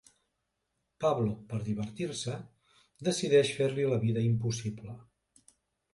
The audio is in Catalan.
Pablo per divertir-se, decideix fer-li la vida impossible.